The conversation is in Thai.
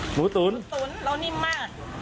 หมูตุ๋นหมูตุ๋นแล้วนิ่มมาก